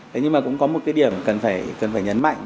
thế nhưng mà cũng có một cái điểm cần phải nhấn mạnh